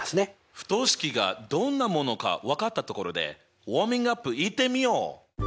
不等式がどんなものか分かったところでウォーミングアップいってみよう。